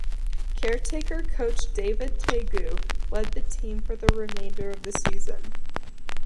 Caretaker coach David Teague led the team for the remainder of the season.